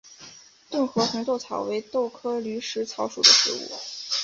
顿河红豆草为豆科驴食草属的植物。